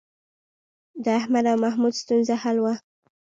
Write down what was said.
د احمد او محمود ستونزه حل وه